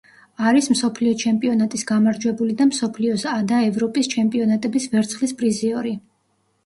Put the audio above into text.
არის მსოფლიო ჩემპიონატის გამარჯვებული და მსოფლიოს ადა ევროპის ჩემპიონატების ვერცხლის პრიზიორი.